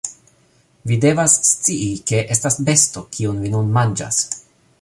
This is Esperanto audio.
Vi devas scii, ke estas besto, kiun vi nun manĝas